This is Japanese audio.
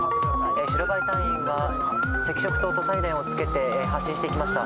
白バイ隊員が赤色灯とサイレンをつけて発進していきました。